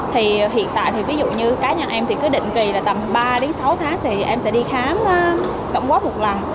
thì hiện tại thì ví dụ như cá nhân em thì cứ định kỳ là tầm ba đến sáu tháng thì em sẽ đi khám tổng quát một lần